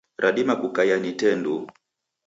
Radima kukaia ni tee nduu.